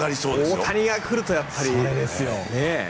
大谷が来るとやっぱりね。